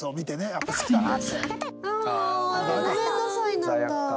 やっぱ「ごめんなさい」なんだ。